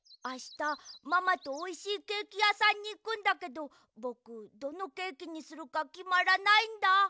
あしたママとおいしいケーキやさんにいくんだけどぼくどのケーキにするかきまらないんだ。